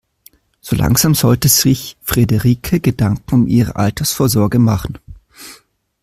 So langsam sollte sich Frederike Gedanken um ihre Altersvorsorge machen.